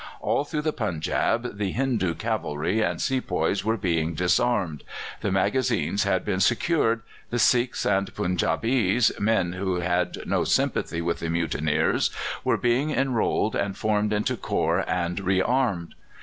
All through the Punjab the Hindoo cavalry and sepoys were being disarmed; the magazines had been secured; the Sikhs and Punjabees, men who had no sympathy with the mutineers, were being enrolled and formed into corps and re armed.